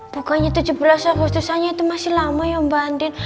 bukannya tujuh belas agustus saja itu masih lama ya mbak andin